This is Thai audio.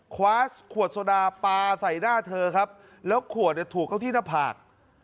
คว้าขวดโซดาปลาใส่หน้าเธอครับแล้วขวดเนี่ยถูกเข้าที่หน้าผาก